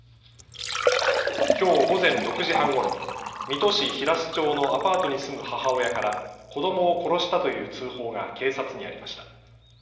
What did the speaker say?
きょう午前６時半ごろ、水戸市平須町のアパートに住む母親から子どもを殺したという通報が警察にありました。